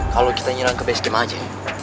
kalau kita nyerang ke base camp aja